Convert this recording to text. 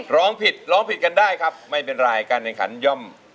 ร้องผิดร้องผิดกันได้ครับไม่เป็นไรการแข่งขันย่อม